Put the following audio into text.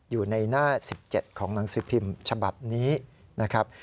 อยู่ในหน้า๑๗ของหนังสือพิมพ์ฉบับนี้นะครับ